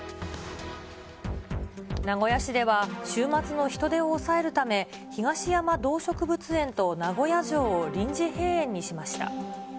名古屋市では週末の人出を抑えるため、東山動植物園と名古屋城を臨時閉園にしました。